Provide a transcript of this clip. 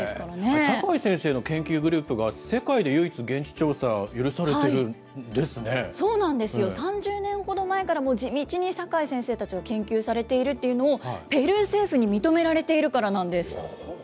坂井先生の研究グループが世界で唯一、現地調査許されてるんそうなんですよ、３０年ほど前からもう地道に坂井先生たちは研究されているというのを、ペルー政府に認められているからなんです。